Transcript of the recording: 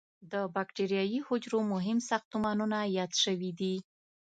د بکټریايي حجرو مهم ساختمانونه یاد شوي دي.